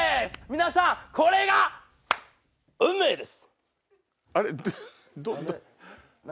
皆さんこれが運命です‼